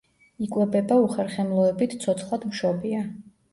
იკვებება უხერხემლოებით ცოცხლადმშობია.